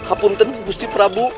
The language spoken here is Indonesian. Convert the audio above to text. apunten gusti prabu